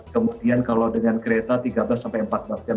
kemudian kalau dengan kereta tiga belas sampai empat belas jam